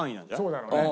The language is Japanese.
そうだろうね。